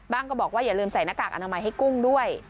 ก็บอกว่าอย่าลืมใส่หน้ากากอนามัยให้กุ้งด้วย